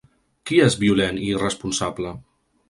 Qui és violent i irresponsable?